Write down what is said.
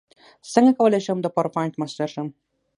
څنګه کولی شم د پاورپاینټ ماسټر شم